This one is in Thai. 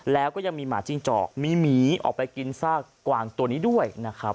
แล้วก็ยังมีหมาจิ้งจอกมีหมีออกไปกินซากกวางตัวนี้ด้วยนะครับ